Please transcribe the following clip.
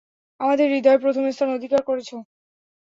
আমাদের হৃদয়ে প্রথম স্থান অধিকার করেছ।